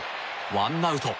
ワンアウト。